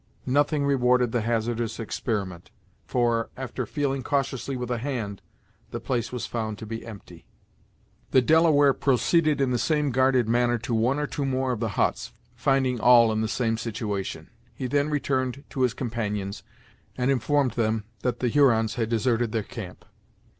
Nothing rewarded the hazardous experiment; for, after feeling cautiously with a hand, the place was found to be empty. The Delaware proceeded in the same guarded manner to one or two more of the huts, finding all in the same situation. He then returned to his companions, and informed them that the Hurons had deserted their camp.